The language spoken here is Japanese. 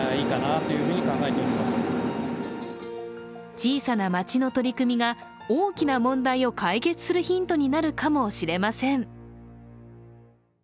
小さな町の取り組みが大きな問題を解決するヒントになるかもしれません。